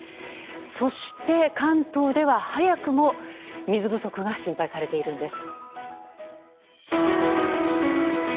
そして、関東では早くも水不足が心配されているんです。